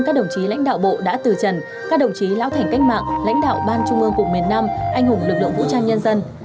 các đồng chí lãnh đạo bộ đã từ trần các đồng chí lão thành cách mạng lãnh đạo ban trung ương cục miền nam anh hùng lực lượng vũ trang nhân dân